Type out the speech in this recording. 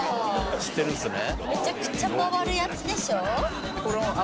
知ってるんすね。